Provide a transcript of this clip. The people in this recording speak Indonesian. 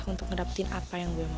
untuk ngedapin apa yang gue mau